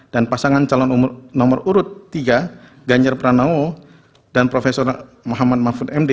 dan pasangan calon nomor urut tiga ganyar pranowo dan prof mohamad mahfud md